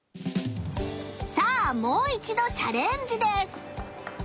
さあもう一度チャレンジです！